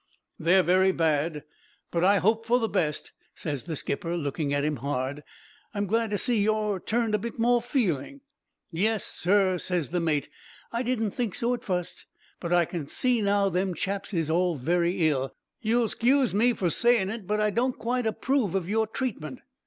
"'They're very bad; but I hope for the best,' ses the skipper, looking at him hard. 'I'm glad to see you're turned a bit more feeling.' "'Yes, sir,' ses the mate. 'I didn't think so at fust, but I can see now them chaps is all very ill. You'll s'cuse me saying it, but I don't quite approve of your treatment.'